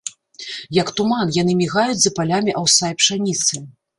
Як туман, яны мігаюць за палямі аўса і пшаніцы.